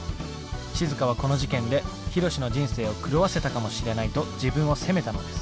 しずかはこの事件でヒロシの人生を狂わせたかもしれないと自分を責めたのです。